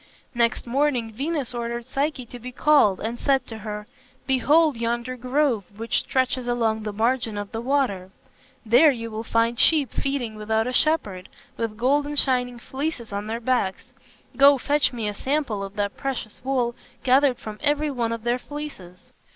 Next morning Venus ordered Psyche to be called and said to her, "Behold yonder grove which stretches along the margin of the water. There you will find sheep feeding without a shepherd, with golden shining fleeces on their backs. Go, fetch me a sample of that precious wool gathered from every one of their fleeces."